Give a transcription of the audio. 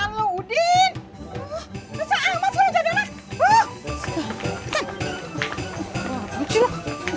ya udah pak